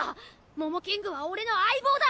モモキングは俺の相棒だ。